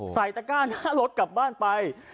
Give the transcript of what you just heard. ตะก้าหน้ารถกลับบ้านไป